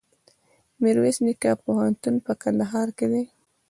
میرویس نیکه پوهنتون په کندهار کي دی.